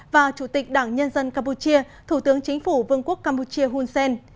và chủ tịch đảng nhân dân campuchia thủ tướng chính phủ vương quốc campuchia hun sen